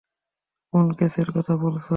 কোন কেসের কথা বলছে ও?